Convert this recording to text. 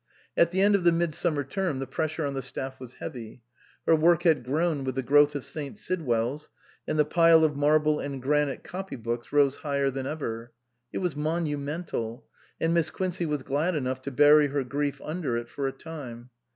At the end of the midsummer term the pressure on the staff was heavy. Her work had grown with the growth of St. Sidwell's, and the pile of marble and granite copy books rose higher than ever ; it was monumental, and Miss Quincey was glad enough to bury her grief under it for a time.